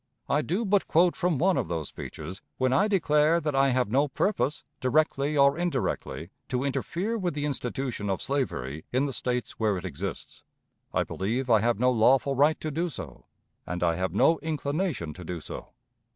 I do but quote from one of those speeches when I declare that I have no purpose, directly or indirectly, to interfere with the institution of slavery in the States where it exists. I believe I have no lawful right to do so, and I have no inclination to do so.